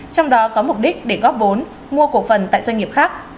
trong đó có mục đích để góp vốn mua cổ phần tại doanh nghiệp khác